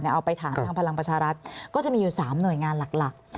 เอาไปถามทางพลังประชารัฐก็จะมีอยู่๓หน่วยงานหลัก